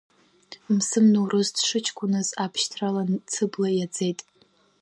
Мсым Ноурыз дшыҷкәыназ абшьҭрала Цыбла иаӡеит.